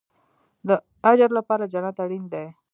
د اجر لپاره جنت اړین دی